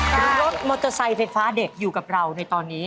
รถมอเตอร์ไซค์ไฟฟ้าเด็กอยู่กับเราในตอนนี้